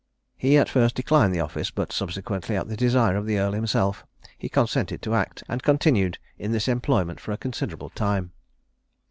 He at first declined the office; but subsequently, at the desire of the Earl himself, he consented to act, and continued in this employment for a considerable time.